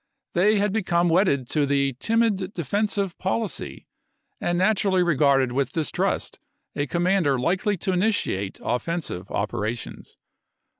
.. They had become j. B> Hood wedded to the 'timid defensive' policy, and natu iiAdJnace rally regarded with distrust a commander likely to p. Tel' initiate offensive operations."